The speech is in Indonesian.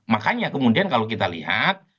makanya kemudian kalau kita lihat